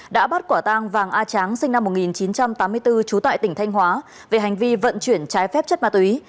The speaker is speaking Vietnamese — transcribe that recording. đã bắt quả tang vàng a tráng sinh năm một nghìn chín trăm tám mươi bốn trú tại tỉnh thanh hóa về hành vi vận chuyển trái phép chất ma túy